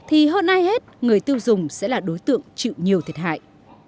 thì hơn ai hết người tiêu dùng sẽ là đối tượng chịu nhiều thiệt hại